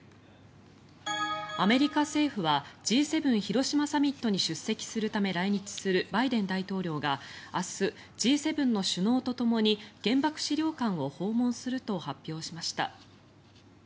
アメリカ政府はＧ７広島サミットに出席するため来日するバイデン大統領が明日、Ｇ７の首脳とともに原爆資料館を訪問すると発表しました。